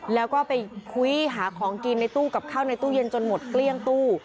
แล้วก็ไปคุยหาของกินในตู้กับข้าวในตู้เย็นจนหมดเกลี้ยงตู้